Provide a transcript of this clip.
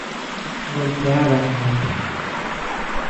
Golpeáronme.